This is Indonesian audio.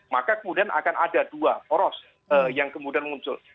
maka kemudian akan ada dua poros yang kemudian muncul